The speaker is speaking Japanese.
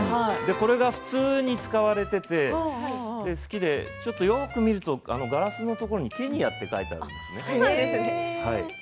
これが普通に使われていてよく見るとガラスのところにケニアと書いてあるんです。